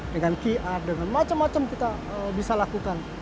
dengan qr dengan macam macam kita bisa lakukan